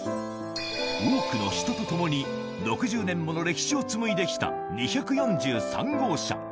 多くの人とともに６０年もの歴史を紡いできた２４３号車。